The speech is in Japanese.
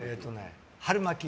春巻き。